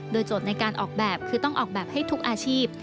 โดยโจทย์ในการออกแบบคือต้องออกแบบให้ทุกอาชีพ